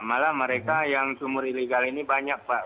malah mereka yang sumur ilegal ini banyak pak